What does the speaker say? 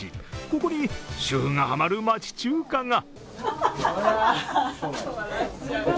ここに主婦がハマる町中華が。